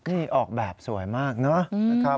นี่ออกแบบสวยมากนะครับ